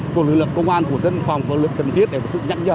của lực lượng công an của dân phòng của lực lượng cần thiết để có sự nhẵn nhở